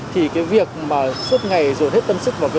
thì cái việc mà suốt ngày rồi hết tâm sức vào cái